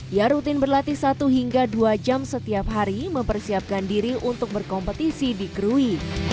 ia rutin berlatih satu hingga dua jam setiap hari mempersiapkan diri untuk berkompetisi di krui